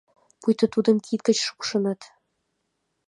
Пуйто тудым кид гыч шупшыныт?